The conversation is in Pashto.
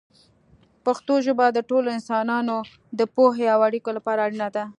پښتو ژبه د ټولو انسانانو د پوهې او اړیکو لپاره اړینه ده.